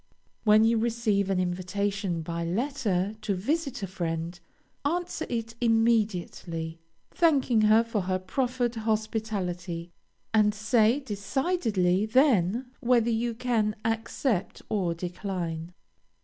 When you receive an invitation by letter to visit a friend, answer it immediately, thanking her for her proffered hospitality, and say decidedly then whether you can accept or decline.